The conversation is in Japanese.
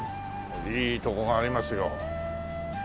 いいとこがありますよ。